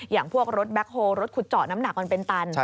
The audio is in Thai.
อย่างพวกรถแบ็คโฮลรถขุดเจาะน้ำหนักมันเป็นตัน